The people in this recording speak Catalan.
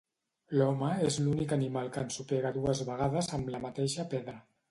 L'home és l'únic animal que ensopega dues vegades amb la mateixa pedra.